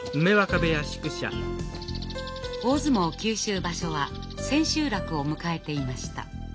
大相撲九州場所は千秋楽を迎えていました。